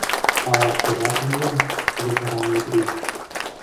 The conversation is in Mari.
— Ала шкежак юзо, — ешара Метрий.